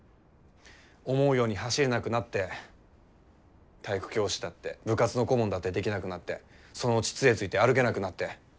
思うように走れなくなって体育教師だって部活の顧問だってできなくなってそのうち杖ついて歩けなくなって。